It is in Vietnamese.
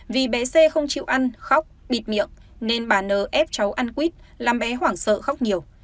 vì bé c không chịu ăn khóc bịt miệng nên bà n ép cháu ăn quýt làm bé hoảng sợ khóc nhiều